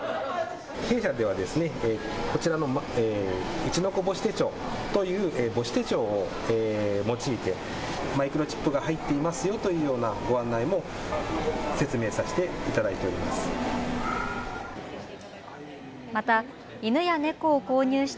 弊社ではうちのこ母子手帳という母子手帳を用いてマイクロチップが入っていますよというご案内を説明させていただいております。